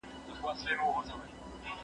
له هغې د مځكي مخ ورته سور اور وو